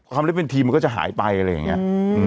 เล่นเป็นทีมมันก็จะหายไปอะไรอย่างนี้